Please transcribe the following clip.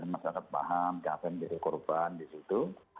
masyarakat paham jatim jadi korban di situ